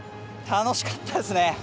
楽しかったですね。